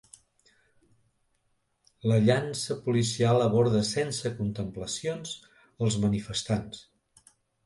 La llanxa policial aborda sense contemplacions els manifestants.